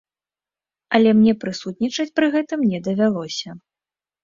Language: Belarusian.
Але мне прысутнічаць пры гэтым не давялося.